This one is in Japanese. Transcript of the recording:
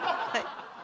はい。